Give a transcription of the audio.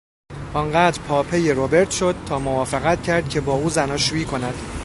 آن قدر پاپی روبرت شد تا موافقت کرد که با او زناشویی کند.